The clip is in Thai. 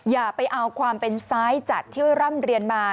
อย่าไปเอาความเป็นซ้ายจัดที่ร่ำเรียนมา